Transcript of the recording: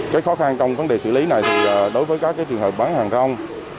cái khó khăn trong vấn đề xử lý này thì đối với các trường hợp bán hàng rong